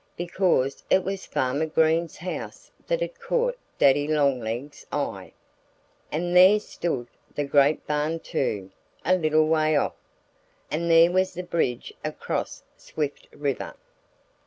Because it was Farmer Green's house that had caught Daddy Longlegs' eye.... And there stood the great barn too, a little way off! And there was the bridge across Swift River!